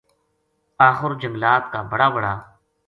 آخر جنگلات کا بڑ ا بڑا